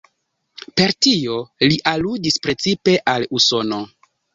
Per tio li aludis precipe al Usono.